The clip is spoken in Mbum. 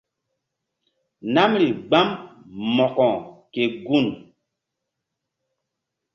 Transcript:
Namri gbam Mo̧ko ke gun.